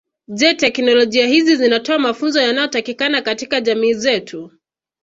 Je teknolojia hizi zinatoa mafunzo yanayotakikana katika jamii zetu